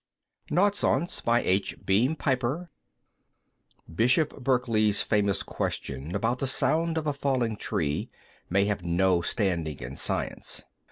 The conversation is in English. pgdp.net NAUDSONCE Bishop Berkeley's famous question about the sound of a falling tree may have no standing in Science.